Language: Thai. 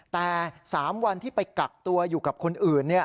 แต่๓วันที่ไปกักตัวอยู่กับคนอื่น